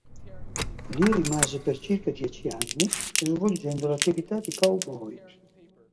Lì rimase per circa dieci anni, svolgendo l'attività di cowboy.